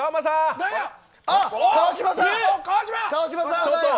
川島さん。